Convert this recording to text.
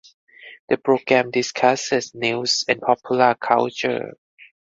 The program discusses news and popular culture.